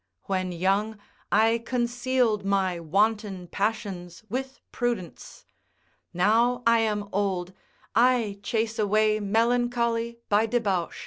When young, I concealed my wanton passions with prudence; now I am old, I chase away melancholy by debauch.